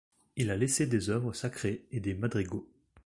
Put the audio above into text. Il a laissé des œuvres sacrées et des madrigaux.